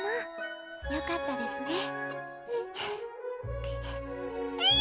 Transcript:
よかったですねえる！